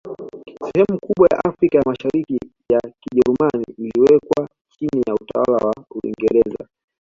Sehemu kubwa ya Afrika ya Mashariki ya Kijerumani iliwekwa chini ya utawala wa Uingereza